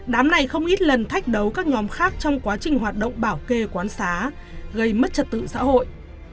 đám này không ít lần thách đấu các nhóm khác trong quá trình hoạt động bảo kê quán xá gây mất trật tự xã hội